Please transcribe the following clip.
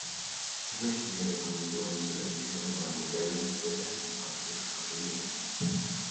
Ich möchte hier der Kommission zu der Entwicklung neuer Modelle der besten Praxis gratulieren.